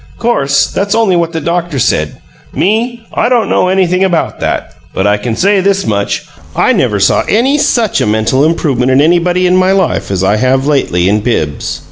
'Course, that's only what the doctor said. Me, I don't know anything about that; but I can say this much I never saw any such a MENTAL improvement in anybody in my life as I have lately in Bibbs.